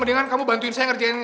mendingan kamu bantuin saya ngerjain